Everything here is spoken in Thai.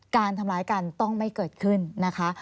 การทำร้ายกันต้องไม่เกิดขึ้นนะคะ